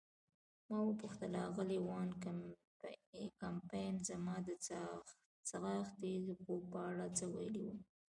ما وپوښتل: آغلې وان کمپن زما د څاښتي خوب په اړه څه ویلي وو؟